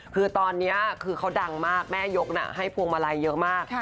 คือตอนนี้คือเขาดังมากแม่ยกให้พวงมาลัยเยอะมาก